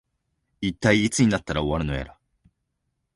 いったい、いつになったら終わるのやら